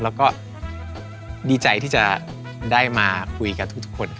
แล้วก็ดีใจที่จะได้มาคุยกับทุกคน